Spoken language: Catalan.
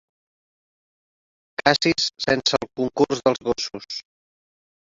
Cacis sense el concurs dels gossos.